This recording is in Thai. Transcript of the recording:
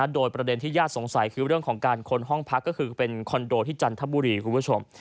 โดยประเด็นที่ญาติสงสัยคือเรื่องของการค้นห้องพักก็คือเป็นคอนโดที่จันทบุรีคุณผู้ชม